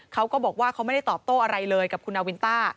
เขาก็บอกว่าเขาไม่ได้ตอบโต้อะไรเลยกับคุณนาวินต้า